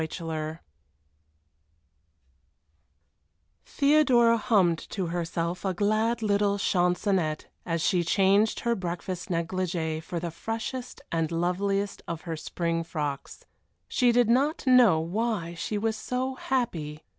VIII Theodora hummed to herself a glad little chansonnette as she changed her breakfast negligee for the freshest and loveliest of her spring frocks. She did not know why she was so happy.